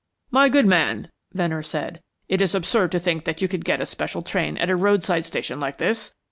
"My good man," Venner said, "it is absurd to think that you can get a special train at a roadside station like this.